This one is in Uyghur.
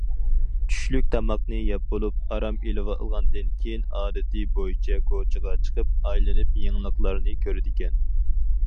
چۈشلۈك تاماقنى يەپ بولۇپ، ئارام ئېلىۋالغاندىن كېيىن، ئادىتى بويىچە كوچىغا چىقىپ ئايلىنىپ، يېڭىلىقلارنى كۆرىدىكەن.